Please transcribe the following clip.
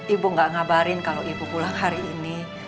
ibu tidak mengabarkan kalau ibu pulang hari ini